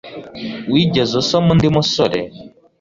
Wigeze usoma undi musore?